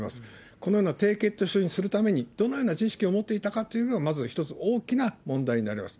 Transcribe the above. このような低血糖症にするために、どのような知識を持っていたかというのがまず一つ、大きな問題になります。